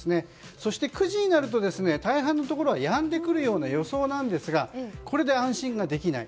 そして９時になると大半のところはやんでくる予想ですがこれで安心ができない。